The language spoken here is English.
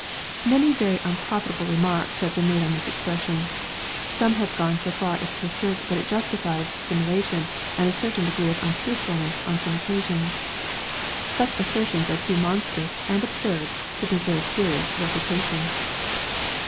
] Many very unprofita ble remarks have been made on this expression. Some have gone so far as to assert that it justifies dissimulation and a certain de gree of untruthfulness on some occasions. Such assertions are too monstrous and absurd to deserve serious refiitation.